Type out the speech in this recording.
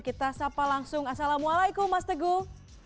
kita sapa langsung assalamualaikum mas teguh